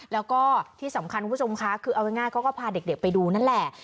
แล้วก็ที่สำคัญคุณผู้ชมคะคือเอาง่ายเขาก็พาเด็กไปดูนั่นแหละ